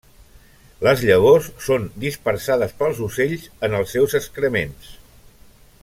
Les llavors són dispersades pels ocells en els seus excrements.